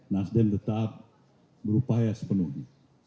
nasdem tetap berupaya sepenuhnya